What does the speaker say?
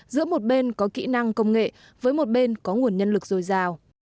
giữa một bên có kỹ năng công nghệ với một bên có nguồn nhân lực dồi dào